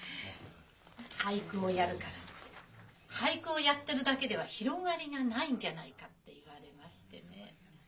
「俳句をやるからって俳句をやってるだけでは広がりがないんじゃないか」って言われましてね。